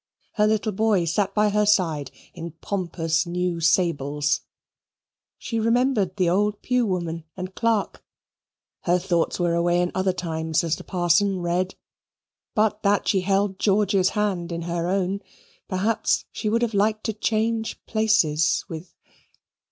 Her little boy sat by her side in pompous new sables. She remembered the old pew woman and clerk. Her thoughts were away in other times as the parson read. But that she held George's hand in her own, perhaps she would have liked to change places with....